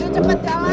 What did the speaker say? cepet jalan lah